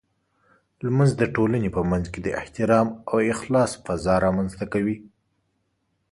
لمونځ د ټولنې په منځ کې د احترام او اخلاص فضاء رامنځته کوي.